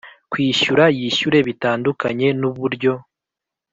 kwishyura yishyure Bitandukanye n uburyo